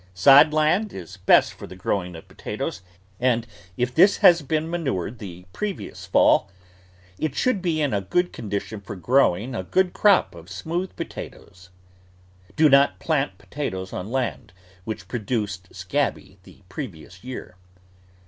Sod land is best for the growing of potatoes, and if this has been manured the previous fall, it should be in good con ROOT VEGETABLES dition for growing a good crop of smooth potatoes. Do not plant potatoes on land which produced scabby the previous year.